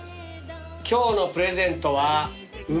今日のプレゼントは梅酒です。